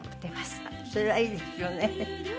それはいいですよね。